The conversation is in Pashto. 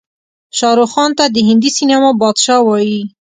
شاروخ خان ته د هندي سينما بادشاه وايې.